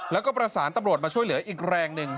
แล้วก็ประสานตำรวจมาช่วยเหลืออีกแรงหนึ่ง